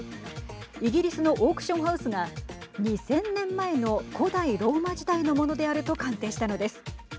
イギリスのオークションハウスが２０００年前の古代ローマ時代のものであると鑑定したのです。